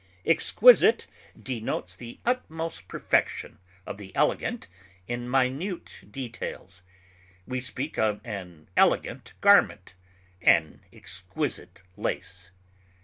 Exquisite denotes the utmost perfection of the elegant in minute details; we speak of an elegant garment, an exquisite lace.